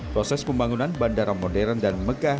proses pembangunan bandara modern dan megah